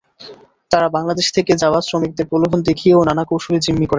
তাঁরা বাংলাদেশ থেকে যাওয়া শ্রমিকদের প্রলোভন দেখিয়ে ও নানা কৌশলে জিম্মি করেন।